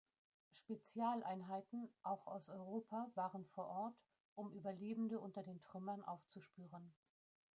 Spezialeinheiten, auch aus Europa, waren vor Ort, um Überlebende unter den Trümmern aufzuspüren.